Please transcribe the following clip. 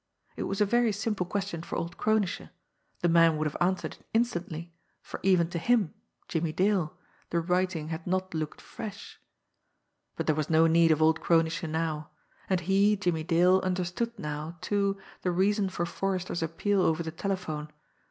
It was a very simple question for old Kronische, the man would have answered it instantly, for even to him, Jimmie Dale, the writing had not looked fresh. But there was no need of old Kronische now! And he, Jimmie Dale, understood now, too, the reason for Forrester's appeal over the telephone.